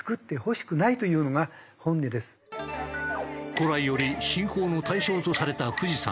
古来より信仰の対象とされた富士山。